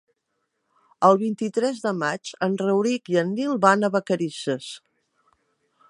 El vint-i-tres de maig en Rauric i en Nil van a Vacarisses.